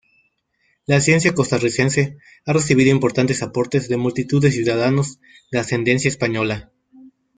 La ciencia costarricense ha recibido importantes aportes de multitud de ciudadanos de ascendencia española.